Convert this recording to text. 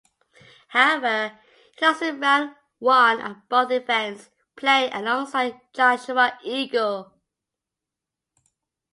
However, he lost in round one of both events, playing alongside Joshua Eagle.